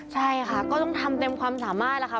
ใช่ค่ะก็ต้องทำเต็มความสามารถแล้วค่ะ